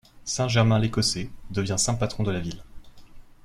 Saint Germain l'Écossais devint saint patron de la ville.